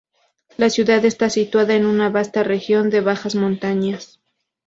La ciudad está situada en una vasta región de bajas montañas.